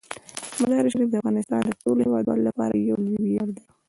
مزارشریف د افغانستان د ټولو هیوادوالو لپاره یو لوی ویاړ دی.